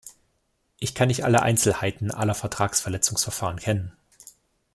Ich kann nicht alle Einzelheiten aller Vertragsverletzungsverfahren kennen.